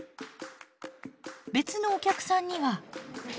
別のお客さんには。